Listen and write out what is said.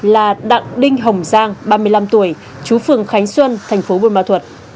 là đặng đinh hồng giang ba mươi năm tuổi chú phường khánh xuân thành phố buôn ma thuật